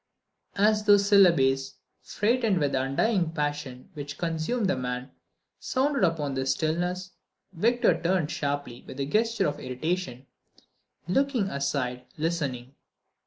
As those syllables, freighted with that undying passion which consumed the man, sounded upon the stillness, Victor turned sharply, with a gesture of irritation, looking aside, listening.